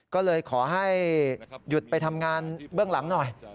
ก็เลยขอให้หยุดไปทำงานเบื้องหลังหน่อย